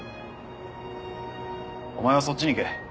お前はそっちに行け。